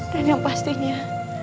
dan yang pastinya